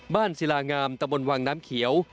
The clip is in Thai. บ้านศิลางามตมวลวังน้ำเขียว